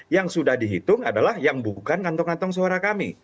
yang sudah dihitung adalah yang bukan kantong kantong suara kami